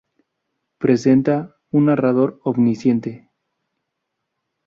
Presenta un narrador omnisciente.